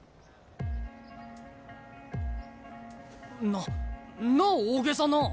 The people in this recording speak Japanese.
なんな大げさな。